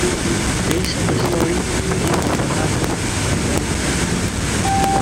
Based on the story "The Gift of the Magi" by O. Henry.